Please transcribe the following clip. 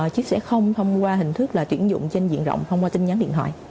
chứ sẽ không thông qua hình thức là tuyển dụng trên diện rộng thông qua tin nhắn điện thoại